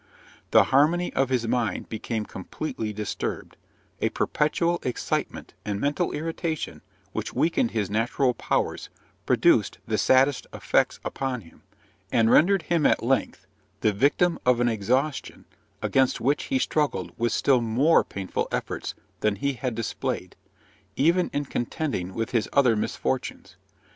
The harmony of his mind became completely disturbed; a perpetual excitement and mental irritation, which weakened his natural powers, produced the saddest effects upon him, and rendered him at length the victim of an exhaustion against which he struggled with still more painful efforts than he had displayed, even in contending with his other misfortunes.